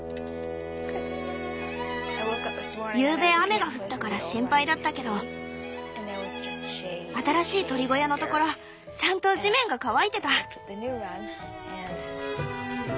ゆうべ雨が降ったから心配だったけど新しい鶏小屋のところちゃんと地面が乾いてた。